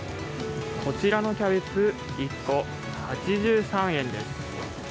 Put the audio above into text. こちらのキャベツ１個８３円です。